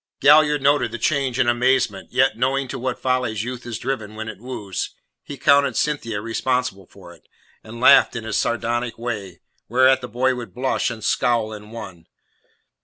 Galliard noted the change in amazement, yet, knowing to what follies youth is driven when it woos, he accounted Cynthia responsible for it, and laughed in his sardonic way, whereat the boy would blush and scowl in one.